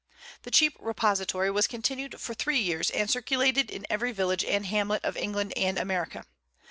The "Cheap Repository" was continued for three years, and circulated in every village and hamlet of England and America.